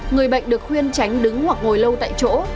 người bệnh được khuyên tránh đứng hoặc ngồi lâu tại chỗ